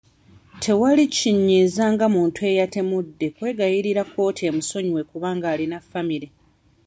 Tewali kinyiiza nga muntu eyatemudde kwegayirira kkooti emusonyiwe kubanga alina famire.